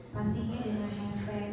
pastinya dengan hashtag